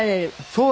そう。